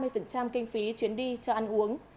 ba mươi kinh phí chuyến đi cho ăn uống